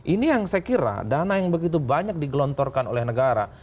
ini yang saya kira dana yang begitu banyak digelontorkan oleh negara